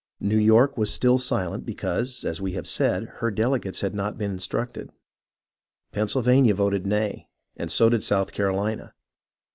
New York was silent because, as we have said, her delegates had not been instructed. Pennsylvania voted nay, and so did South Carolina.